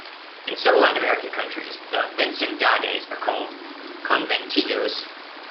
In some Latin American countries the "vecindades" are called "conventillos".